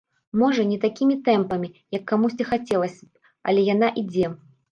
Можа, не такімі тэмпамі, як камусьці хацелася б, але яна ідзе.